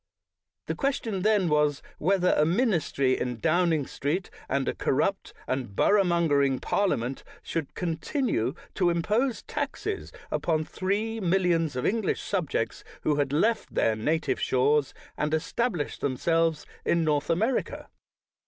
The question then was, whether a ministry in Downing Street, and a corrupt and borough mongering parliament, should continue to im pose taxes upon three millions of English sub jects who had left their native shores and estab lished themselves in North America.